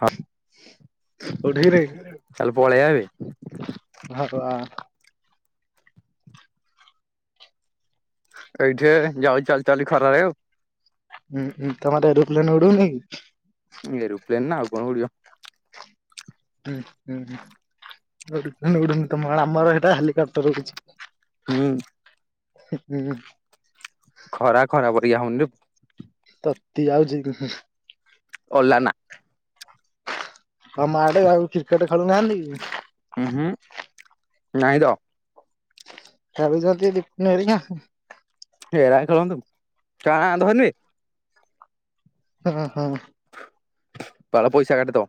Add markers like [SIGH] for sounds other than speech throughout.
ହଉ କୋଉଠିକିରେ ତାହେଲେ ପଳେଇ ଆବେ। [UNINTELLIGIBLE] ଏଇଠି ଯାଉଛି ଚାଲି ଚାଲି ଖରାରେ ଆଉ। ହୁଁ ହୁଁ ତମର ଏରୋପ୍ଲେନ ଉଡୁନି କି? ଏରୋପ୍ଲେନ ନା ହଉ କଣ ଉଡିବ। ହୁଁ ହୁଁ ଉଡୁନି ତମ ଆମର ହେଇଟା ହେଲିକାପ୍ଟର ଉଡ଼଼ୁଛି। ହୁଁ। ହୁଁ ହୁଁ। ଖରା ଖରା ପରିକା ହଉନିରେ ପୁ ତତି ଯାଉଛି [UNINTELLIGIBLE] ଓଲ ନା। ଆମ ଆଡେ ଆଉ କ୍ରିକେଟ ଖେଳୁନାହାନ୍ତି କି? ଉଁ ହୁଁ ନାଇ ଦ। ଥରେ ଜଗିକିରି ନେଇଆ। [UNINTELLIGIBLE] ହଁ ହଁ। ତଳେ ପଇସା କାଟିଦବ।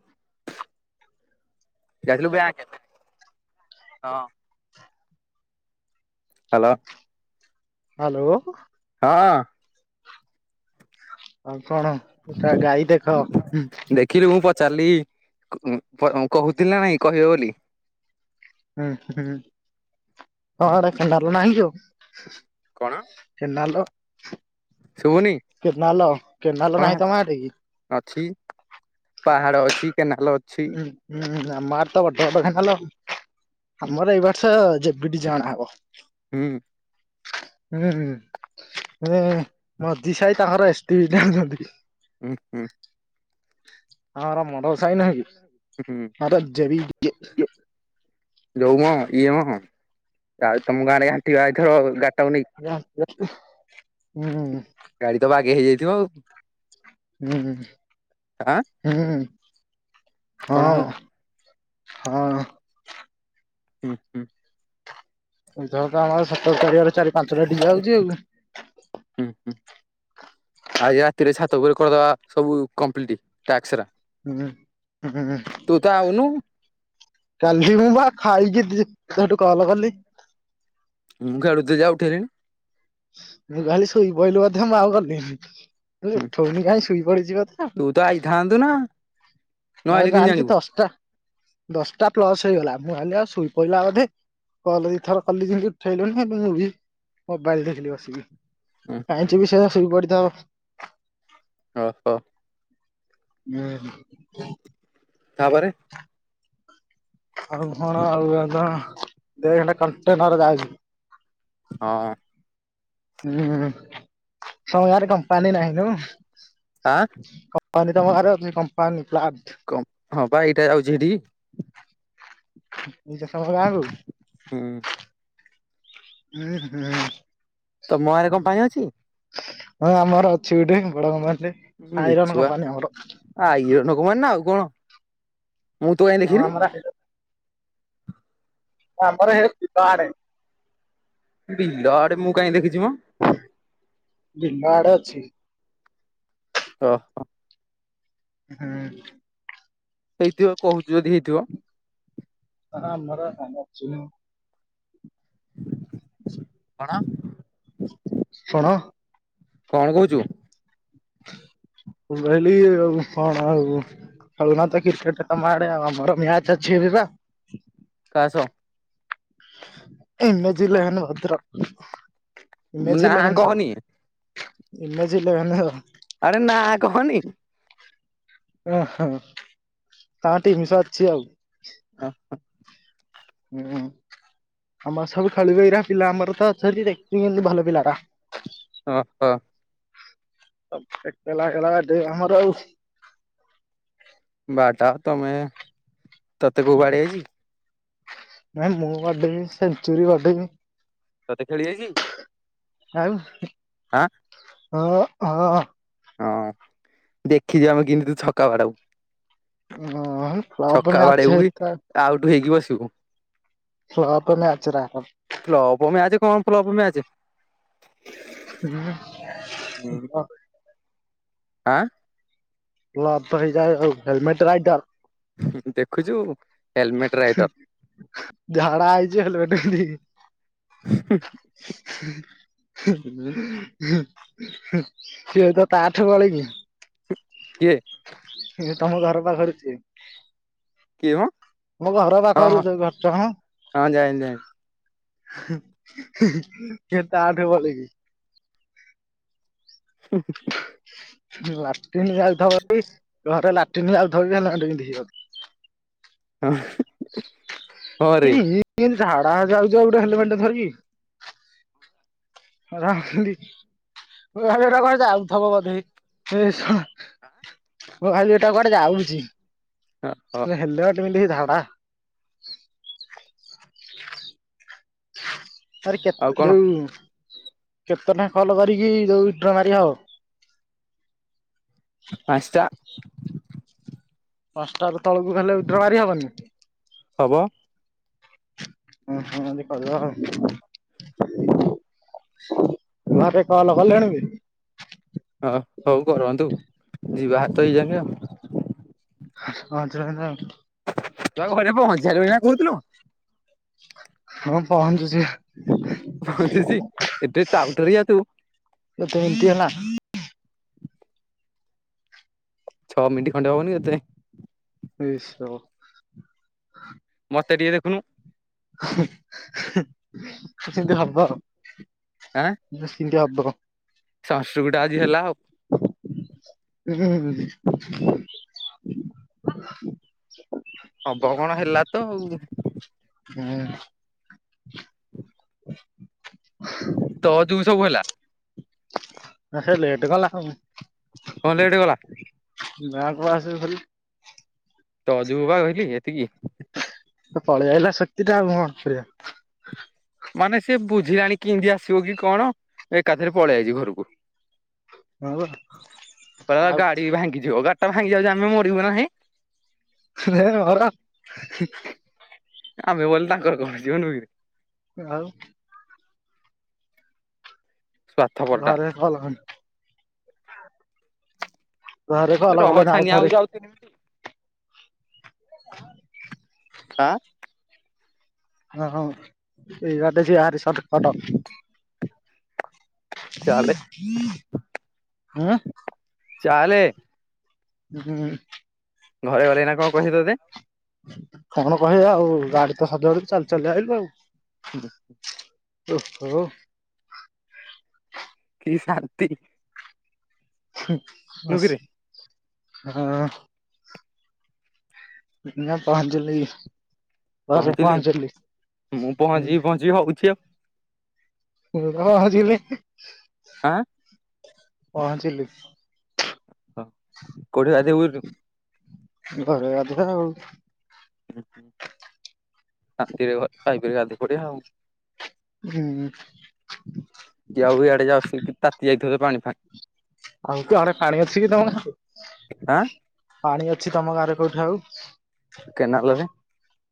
ଯାଇଥିଲୁ ବ୍ୟାଙ୍କ ହଁ। ହାଲୋ। ହାଲୋ। ହଁ। ଆଉ କଣ ଗୋଟା ଗାଈ ଦେଖ। କିରେ ମୁଁ ପଚାରିଲି କୁ ଉଁ କହୁଥିଲି ନା ନାଇଁ କହିବ ବୋଲି। ହୁଁ ହୁଁ ତମ ଆଡେ କେନାଲ ନାହିଁ କଣ ଯୋଉ। କେନାଲ। ଶୁଭୁନି କେନାଲ କଣ କେନାଲ ନାହିଁ ତମ ଆଡେ କିି ‌। ଅଛି ପାହାଡ଼ ଅଛି କେନାଲ ଅଛି। ଉଁ ଉଁ ଅମ ଆଡେ ତ ବଡ ବଡ଼ କେନାଲ ଆଉ। ଆମର ଏଇ ବର୍ଷ ଯେବିଟି ଜଣା ହବ। ହୁଁ। ହୁଁ। ମୁଁ ମଝି ସାହି ତାଙ୍କର ଏସ୍ ଟି ବି ଜାଣିଛନ୍ତି। ଉଁ ଉଁ। ହୁଁ [UNINTELLIGIBLE] ଯୋଉମ ଇଏ ମ ଆଉ ତମ ଗାଁରେ ଘାଣ୍ଟିବା ଆଇଥିବ ଆଉ। ହୁଁ ଗାଡି ତ ବାଗେଇ ହେଇଯାଇଥିବ ଆଉ। ହୁଁ। ଆଁ ହୁଁ ହଁ କଣ ହୁଁ ହଁ। ହୁଁ ହୁଁ। ଏଇଥରକ ଆମର ସତର ତାରିଖ ଆଡୁ ଚାରି ପାଞ୍ଚ ଗାଡି ଯାଉଛି ଆଉ। ହୁଁ ହୁଁ। ଆଜି ରାତିରେ ଛାତ ଉପରେ କରିଦବା ସବୁ କମପ୍ଲିଟ ଟ୍ୟାକ୍ସ ରା। ହୁଁ ହୁଁ। ତୁ ତ ଆଉନୁ କାଲି ମୁଁ ବା ଖାଇକି ଦି ତୋଠୁ କଲ କଲି। ମୁଁ ଖେଳୁ ଥିଲି ଯା ଉଠେଇ ଲିନି। ମୁଁ ଗଲି ଶୋଇ ପଇଲୁ ବୋଧେ ମୁଁ ଆଉ ଗଲିନି ମୁଁ କଇଲି ହୁଁ ଉଠଉନି କାହିଁ ଶୋଇ ପଡିଛି ବୋଧେ ଆଉ। ତୁ ଆଇଥାନ୍ତୁ ନା। ମୁଁ ଆଉ ନଆଇଲେ କେମିତି ଜାଣିଛି ଜାଣିବୁ ଦଶଟା ଦଶଟା ପ୍ଲସ ହେଇଗଲା ମୁଁ ଭାବିଲି ଆଉ ଶୋଇ ପଡିଲା ବୋଧେ। କଲ ଦି ଥର କଲି ଯେମତି ଉଠେଇଲୁନି ସେଠୁ ମୁଁ ବି ମୋବାଇଲ ଦେଖିଲି ବସିକି। ହୁଁ କାଇଁ ହୁଁ ଯିବି ସଳା ଶୋଇ ପଡିଥିବ। ଓହୋ। ହୁଁ ହ ତାପରେ। ଆଉ କଣ ଆଉ ଭଲ [UNINTELLIGIBLE] ହଁ। ହୁଁ ତମ ଗା କମ୍ପାନୀ ନାହିଁ ନୁ। ଆ। କମ୍ପାନି ତମ ଗାଁ ରେ ଅଛି କମ୍ପାନୀ ପ୍ଲାଣ୍ଟ। କ ହଁ ବା ଏଇଟା ଯାଉଛି ହେଠିକି। ହୁଁ [UNINTELLIGIBLE] ତମ ଗାଁ ରେ କମ୍ପାନି ଅଛି। ହଁ ଆମର ଅଛି ଏଠି ବଡ଼ [UNINTELLIGIBLE] ଉଁ ମିଛୁଆ ଆଇରନ କମ୍ପାନି ‌ ନା ଆଉ କଣ ମୁଁ ତୁ କାଇଁ ହଁ ଦେଖିନି। ଆମର ଆମର ସେଇଠ ପୀିତା ଆଡେ। ବିିଲ ଆଡେ ମୁଁ କାଇହିଁ ଦେଖିଚି ମ। ନିମ ଆଡେ ଅଛି। ଓ ହୋ। ହୁଁ। ହେଇଥିବ କହୁଚୁ ଯଦି ହେଇଥିବ। ହଁ ଆମର କାମ ଅଛିନା। [INAUDIBLE] କଣ? ଶୁଣ। କଣ କହୁଚୁ? ମୁଁ କହିଲି କଣ ଆଉ ଖେଳୁନା ତ କ୍ରିକେଟ ତମ ଆଡେ ଆ ଆମର ମ୍ୟାଚ ଅଛି ଏବେ ପା। କାହା ସ ଏନର୍ଜି ଲେଭେନ୍ ଭଦ୍ରକ, ଏନର୍ଜି ନା ଲେଭେନ କହନି କଣ? Image eleven. ଆରେ ନା କହନି। ଓ ହ ତାଙ୍କ ଟିମ୍ ସହ ଅଛି ଆଉ। ଅ ହ। ହୁଁ। ଆମର ସବୁ ଖେଳିବ ଏଇରା ପିଲା ଆମର ତ କେତି ଭଲ ପିଲା ରା। ଅ ହ। ଏକେଲା ଏକେଲା ଏଟି ଆମର ଆଉ ବାଟା ତମେ ତତେ କୋଉ ବାଡେଇଚି। ନାଇଁ ମୁଁ ବାଡ଼େଇବି ସେଞ୍ଚୁରି ବାଡେଇବି। ତତେ ଖେଳିବେ କି? ଆଉ? ହାଁ? ହଁ ହଁ। ହଁ ଦେଖିଛ ଆମେ କେମତି ତୁ ଛକା ବାଡାଉ। ହଁ ଫ୍ଲପ ଛକା ମ୍ୟାଚ୍ ବାଡେଇକୁ କି ହେଇଥା ଆଉଠୁ ହେଇକି ବସିବୁ। [UNINTELLIGIBLE] ମ୍ୟାଚ ରାର ଫ୍ଲପ ମ୍ୟାଚ କଣ ଫ୍ଲପ ମ୍ୟାଚ। ହୁଁ। ଆଁ। ପ୍ଲପ ହେଇଯାଏ ଆଉ ହେଲମେଟ ଭାଇଡର ଦେଖୁଚୁ ହେଲମେଟ ରାଇଡର। ଝଗଡା ହେଇଚି ହେଲମେଟ ପିନ୍ଧିକି। [INAUDIBLE] [INAUDIBLE] ସିଏ ତ ତାଠୁ ବଳେ କି। କିଏ? ଏ ତମ ଘର ପାଖରୁ ଯିଏ। କିଏ ମ ମୋ ଘର ହଁ ପାଖରୁ ହଁ ସେ ଘର ଟା ହଁ ହଁ ଜାଇଁଲି ଜାଇଁଲି ସେ ତାଠୁ ବଳି କି। [INAUDIBLE] ଲାଟିନ ଯାଉଥିବ ଯଦି ଘରେ ଲାଟିନ ଯାଉଥିବ ହେଲେମେଟେ ପିନ୍ଦିକି ଯାଉ [INAUDIBLE] ହଁ ରେ। ଟିନ ଝାଡ଼ା ଯାଉଚ ଗୋଟେ ହେଲେମେଟ୍ ଧରିକି। [UNINTELLIGIBLE] ମୁଁ ଭାବିଲି ଏଟା କୁଆଡେ଼ ଯାଉଥିବ ବୋଧେ। ଏ ଶଳା। ମୁଁ ଭାଇଲି ଏଟା କୁଆଡେ ଯାଉଚି? ହଁ ହେଲେମେଟ୍ ପିନ୍ଧି କି ଝାଡ଼ା ଆରେ ଆଉ କେତେ କଣ ଯଉ କେତେ ଟା କଲ କରିକି ଯୋଉ ଉଡ୍ର ମାରି ହବ? ପାଞ୍ଚ ଟା। ପାଞ୍ଚଟା ରୁ ତଳକୁ ହେଲେ ୱିଡ୍ର ମାରି ହବନି? ହବ। ହେନ୍ତି କରିବା ଆଉ। [UNINTELLIGIBLE] ଘରେ କଲ କଲେଣି ବେ। ହଁ ହଉ କରନ୍ତୁ ଯିବା ଭାରି ତ ଏଇଜକେ ଆଉ। [UNINTELLIGIBLE] ତୁ ଘରେ ପହଞ୍ଚିବା କହୁଥିଲୁ? ହଁ ପହଞ୍ଚୁଚି। ପହଞ୍ଚୁଚି। ଏତେ ଟାଉଟରିଆ ତୁ। [UNINTELLIGIBLE] ହେଲା। ଛଅ ମିନଟ୍ ଖଣ୍ଡେ ହବଣି କେତେ। [UNINTELLIGIBLE] ମୋତେ ଟିକେ ଦେଖୁନୁ। ସେନ୍ତି ହବ ଆଉ। ଆଁ? ସେନ୍ତି ହବ। [UNINTELLIGIBLE] ଆଜି ହେଲା ଆଉ। ହୁଁ। ହବ କଣ ହେଲା ତ ଆଉ। ହୁଁ। ତ ଯୋଗୁଁ ସବୁ ହେଲା। ସେ ଲେଟ୍ କଲା ଆଉ। [UNINTELLIGIBLE] ଗଲା। ବ୍ୟାଙ୍କରୁ ଆସିବୁ ଖାଲି ତ ଅଜୁ ବା କହିଲି ହେତିକି। ସେ ପଳେଇଆଇଲା [UNINTELLIGIBLE] ଆଉ କଣ କରିବା। ମାନେ ସେ ବୁଝିଲାଣି କିନ୍ତି ଆସିବ କି କଣ ଏକାଥରେ ପଳେଇ ଆଇଚି ଘରକୁ। ହଁ ବା କହିଲା ଆଉ ଗାଡି ଭାଙ୍ଗିଯିବ। ଗାଡି ଟା ଭାଙ୍ଗି ଯାଉଚି ଆମେ ମରିବୁ ନା ନାହିଁ। [UNINTELLIGIBLE] ଆମେ ମଲେ ତାଙ୍କର କଣ ଯିବ ନା କି। ଆଉ ସ୍ୱାର୍ଥପର ଟା ଘରେ କଲ କଲେଣି। ଘରେ କଲ୍ ରହ କଲେ। ଛାନିଆ ହଉଚି [UNINTELLIGIBLE] ଆଉ ତିନି ମିନିଟ୍ [INAUDIBLE] ଆଁ ଅ ହଁ ଏଇ ବାଟେ ଆ ଭାରି ସଟ କଟ। ଚାଲେ। ଆଁ ଚାଲେ। ହୁଁ। ଘରେ ଗଲେ ଏଇନା କଣ କହିବେ ତତେ? କଣ କହିବେ ଆଉ ଗାଡି ତ ସଜାଡି ଚାଲି ଚାଲି ଆଇଲୁ ଆଉ। ହୁଁ ହୁଁ। ଓହୋ। କି ଶାନ୍ତି! ନୁହୁଁକିରେ ହଁ। ନା ପାଞ୍ଚଲି ବା ପଞ୍ଚିଲି ହଁ। ଜି ହୋଉଛି ଆଉ। [UNINTELLIGIBLE] ପହଞ୍ଚିଲି। ହଁ କୋଉଠି ବାଦୁ ଘରେ ଗାଧେଇବା ଆଉ। ହଁ [UNINTELLIGIBLE] ପଡିଵା ଆଉ। ହୁଁ। କି ଆଉ ଇଆଡେ ଯାଉ ତାତି ଯାଇଥିବ ପାଣି ଫାଣି। ଆଉ ତଣେ ପାଣି ଅଛି କି ତମର? ଆଁ। ପାଣି ଅଛି ତମ ଗାଁରେ କୋଉଠି ଆଉ? କେନାଲରେ।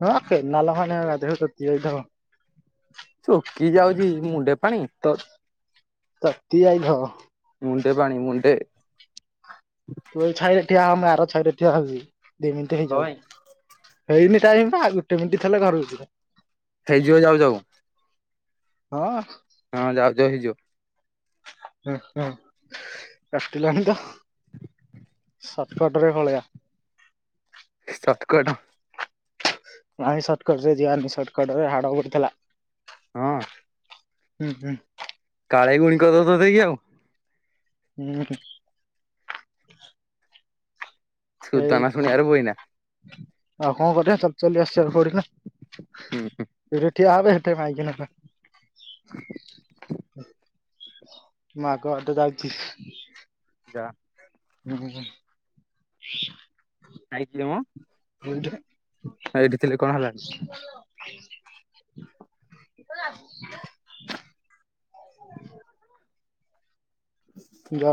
ହଁ କେନାଲ ପାଣିରେ ଗାଧେଇବ ଶୁଖିଯାଇଥିବ। ଚକି ଯାଉଛି ମୁଣ୍ଡେ ପାଣି ତ ତତି ଆଇନ ମୁଣ୍ଡେ ପାଣି ମୁଣ୍ଡେ ତୁ ଏଇ ଛାଇରେ ଠିଆ ଆମେ ଆର ଛାଇରେ ଠିଆ ହି ଦି ମିନିଟ କଣ ହେଇଯାଉ। ପାଇଁ ହେଇନି ଟାଇମ ବା ଗୋଟେ ମିନିଟ ହେଲେ ଘରକୁ ଯିବା। ହେଇଯିବ ଯାଉ ଯାଉ ହଁ। ହଁ ଯାଉ ଯାଉ ହେଇଯିବ। ହଁ ହଁ କାଟିଲାଣି ତ ସଟକଟରେ ପଳେଇବା। ଶଟକୋଟ ନାଇଁ ସର୍ଟକଟ ରେ ଯିବାନି ସର୍ଟକଟ ରେ ହାଡ଼ ପଡିଥିଲା। ହଁ। ହୁଁ ହୁଁ। କାଳେଇ ଗୁଣି କରିଦେବ ତତେ କି ଆଉ? ହୁଁ। ଏଇ ସୁଲତାନା ଶୁଣିବାରେ ବୋଉ ଏୟିନା। ଆଉ କଣ କରିବା ଚାଲି ଚାଲି ଆସିବାକୁ ପଡିଲା। ହୁଁ ଯେତେ ଠିଆ ହେବେ ସେତେ ମାଇକିନା। ମୁଁ ଆଗ ବାଟେ ଯାଉଛି। ଯା ହୁଁ ହୁଁ। ଯାଇଥିଲେ ମ [UNINTELLIGIBLE] ଏଇଠିଥିଲେ କଣ ହେଲା? [INAUDIBLE] ହଁ ଯ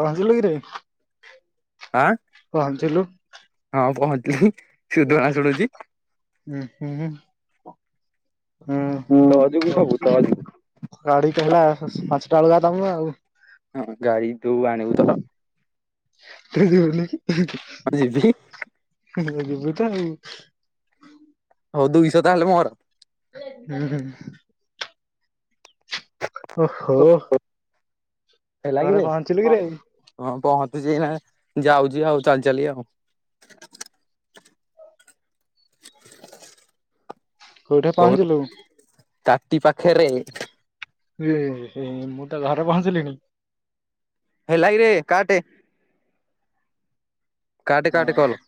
ପହଞ୍ଚିଲୁ କିରେ? ଆଁ ପହଞ୍ଚିଲୁ। ହଁ ପହଞ୍ଚିଲି ସୁଧଣା ଶୁଣୁଛି। ହୁଁ ହୁଁ। ହୁଁ ତ ଯୁଗୁ ସବୁ ତ ଯୁଗୁ। ଗାଡି କହିଲା ପାଞ୍ଚଟା ବେଳକୁ ଆଉ ଦମୁ ଆଉ। ହଁ ଗାଡି ତୁ ଆଣିବୁ ତ? [UNINTELLIGIBLE] ମୋତେ ଦେଇଛୁ କି? ଯିବୁ ତ ଆଉ। ହଉ ଦୁଇଶହ ତାହେଲେ ମୋର। ହୁଁ। ଓହୋ। ହେଲା କି ଘରେ ଭାଇ ପହଞ୍ଚିଲୁ କିରେ ହଁ। ହଁ ପହଞ୍ଚିଛି ନା ଯାଉଛି ଆଉ ଚାଲି ଚାଲି ଆଉ। କେଉଁଠି କହୁନୁ ପହଞ୍ଚିଲୁ? ତାଟି ପାଖରେ ଏ ମୁଁ ତ ଘରେ ପହଞ୍ଚିଲିଣି। ହେଲାକିରେ କାଟେ କାଟେ କାଟେ କଲ।